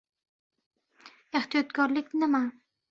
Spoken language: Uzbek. — Ehtiyotkorlik nima?